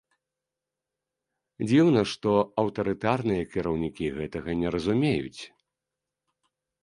Дзіўна, што аўтарытарныя кіраўнікі гэтага не разумеюць.